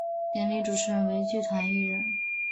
典礼主持人为剧团一人。